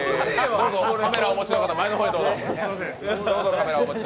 カメラをお持ちの方、前の方へどうぞ。